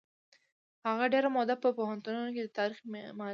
هغه ډېره موده په پوهنتونونو کې د تاریخ معلمي وکړه.